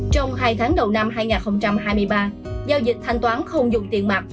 trong hai tháng đầu năm hai nghìn hai mươi ba giao dịch thanh toán không dùng tiền mặt